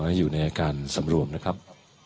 และอยู่ในอาการสำรวมนะครับ